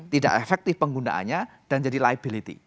tidak efektif penggunaannya dan jadi liability